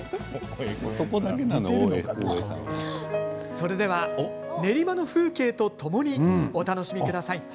それでは、練馬の風景とともにお楽しみください。